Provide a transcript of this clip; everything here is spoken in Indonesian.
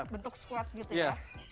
bentuk squat gitu ya